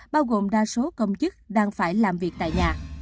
bao gồm đa số công chức đang phải làm việc tại nhà